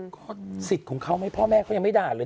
ก็สิทธิ์ของเขาไหมพ่อแม่เขายังไม่ด่าเลย